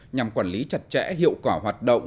nhằm quản lý chặt chẽ hiệu quả hoạt động